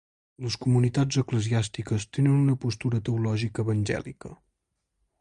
Les comunitats eclesiàstiques tenen una postura teològica evangèlica.